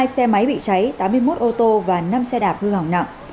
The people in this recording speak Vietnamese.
bốn trăm chín mươi hai xe máy bị cháy tám mươi một ô tô và năm xe đạp hư hỏng nặng